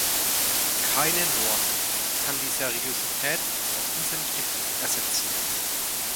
Keine Norm kann die Seriosität auf diesem Gebiet ersetzen.